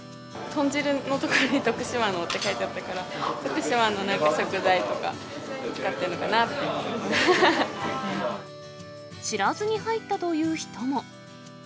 豚汁のところに徳島のって書いてあったから、徳島のなんか食材とか、知らずに入ったという人も。